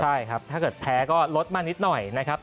ใช่ครับถ้าเกิดแพ้ก็ลดมานิดหน่อยนะครับ